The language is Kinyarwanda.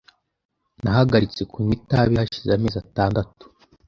Nahagaritse kunywa itabi hashize amezi atandatu .